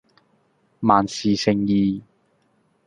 萬事勝意